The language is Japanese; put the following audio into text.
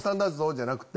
じゃなくて。